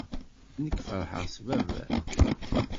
Nekk feṛḥeɣ s baba.